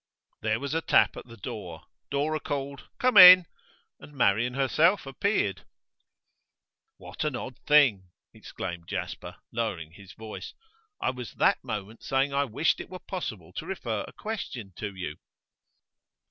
There was a tap at the door. Dora called 'Come in!' and Marian herself appeared. 'What an odd thing!' exclaimed Jasper, lowering his voice. 'I was that moment saying I wished it were possible to refer a question to you.